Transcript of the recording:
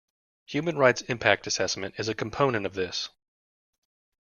Human Rights Impact Assessment is a component of this.